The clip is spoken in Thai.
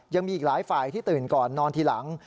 ยังมีอีกหลายฝ่ายที่ตื่นก่อนนอนทีหลัง